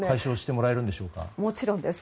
もちろんです。